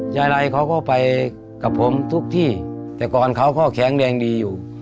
ไรเขาก็ไปกับผมทุกที่แต่ก่อนเขาก็แข็งแรงดีอยู่